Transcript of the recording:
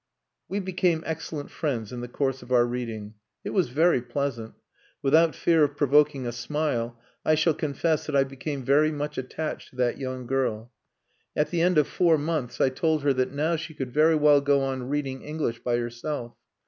We became excellent friends in the course of our reading. It was very pleasant. Without fear of provoking a smile, I shall confess that I became very much attached to that young girl. At the end of four months I told her that now she could very well go on reading English by herself.